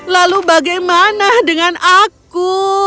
lalu bagaimana dengan aku